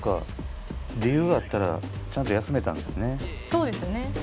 そうですね。